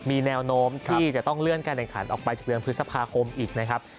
มีแนวโน้มที่จะต้องเลื่อนการแข่งขันออกไปจากเดือนพฤษภาคมอีกนะครับ